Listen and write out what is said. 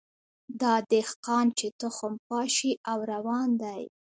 دا دهقان چي تخم پاشي او روان دی